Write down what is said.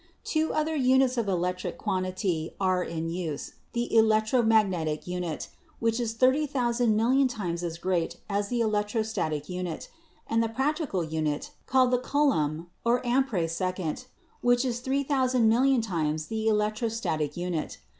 Two other units of electric quantity are in use — the electromagnetic unit, which is thirty thousand million times as great as the electrostatic unit, and the practical unit called the coulomb or ampere second, which is three thou&and mil 152 ELECTRICITY Hon times the electrostatic unit.